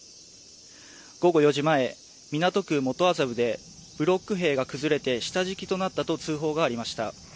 午後４時前、港区元麻布でブロック塀が崩れて下敷きとなったと通報がありました。